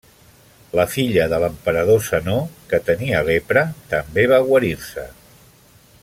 La filla de l'emperador Zenó, que tenia lepra, també va guarir-se.